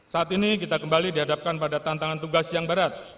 saat ini kita kembali dihadapkan pada tantangan tugas yang berat